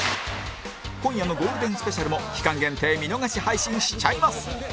今夜のゴールデンスペシャルも期間限定見逃し配信しちゃいます！